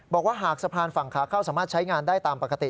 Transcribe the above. บอกว่าหากสะพานฝั่งขาเข้าสามารถใช้งานได้ตามปกติ